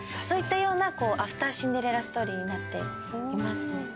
そういったようなアフターシンデレラストーリーになっていますね。